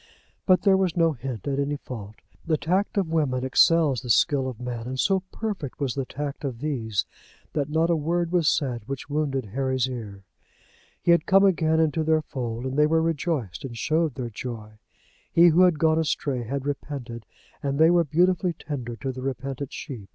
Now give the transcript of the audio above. But there was no hint at any fault. The tact of women excels the skill of men; and so perfect was the tact of these women that not a word was said which wounded Harry's ear. He had come again into their fold, and they were rejoiced and showed their joy. He who had gone astray had repented, and they were beautifully tender to the repentant sheep.